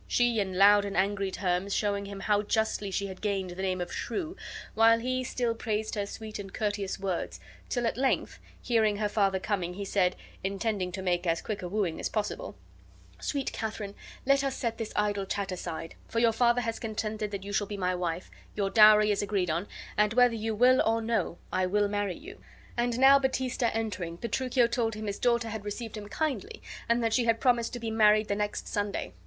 She in loud and angry terms showing him how justly she had gained the name of Shrew, while he still praised her sweet and courteous words, till at length, hearing her father coming, he said (intending to make as quick a wooing as possible): "Sweet Katharine, let us set this idle chat aside, for your father has consented that you shall be my wife, your dowry is agreed on, and whether you will or no I will marry you." And now Baptista entering, Petruchio told him his daughter had received him kindly and that she had promised to be married the next Sunday.